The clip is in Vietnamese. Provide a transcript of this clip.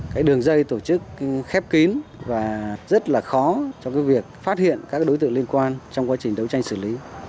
cái đường dây tổ chức khép kín và rất là khó trong cái việc phát hiện các đối tượng liên quan trong quá trình đấu tranh xử lý